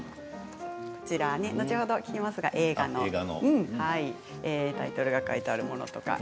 こちら後ほど、聞きますけれど映画のタイトルが書いてあります。